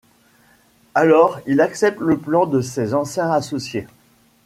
Alors, il accepte le plan de ses anciens associés.